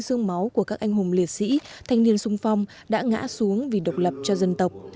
sương máu của các anh hùng liệt sĩ thanh niên sung phong đã ngã xuống vì độc lập cho dân tộc